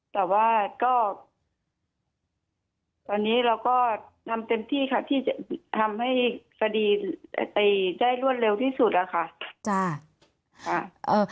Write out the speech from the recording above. แต่ว่าก็ตอนนี้เราก็ทำเต็มที่ค่ะที่จะทำให้คดีได้รวดเร็วที่สุดอะค่ะ